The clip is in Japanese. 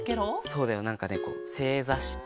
そうだよなんかねせいざして。